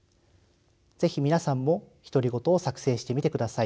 是非皆さんも独り言を作成してみてください。